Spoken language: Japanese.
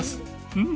うん。